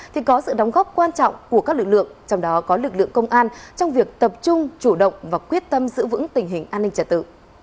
thì có sự đóng góp quan trọng của các lực lượng trong đó có lực lượng công an trong việc tập trung chủ động và quyết tâm giữ vững tình hình an ninh trật tự